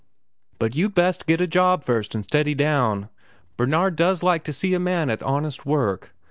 "But you'd best get a job first an' steady down. Bernard does like to see a man at honest work.